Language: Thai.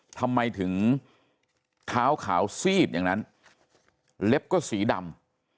ทำไมถึงเท้าขาวซีดอย่างนั้นเล็บก็สีดำ